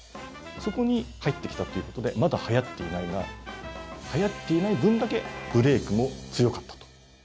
そこに入ってきたということでまだはやっていない分だけブレークも強かったと。